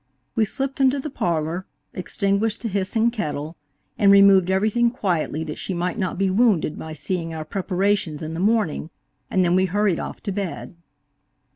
We slipped into the parlor, extinquished the hissing kettle, and removed everything quietly that she might not be wounded by seeing our preparations in the morning, and then we hurried off to bed.